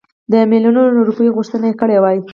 د میلیونونو روپیو غوښتنه کړې وای.